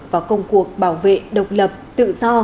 vào công cuộc bảo vệ độc lập tự do